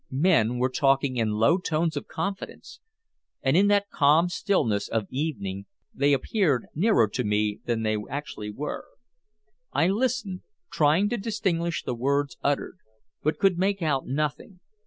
Men were talking in low tones of confidence, and in that calm stillness of evening they appeared nearer to me than they actually were. I listened, trying to distinguish the words uttered, but could make out nothing.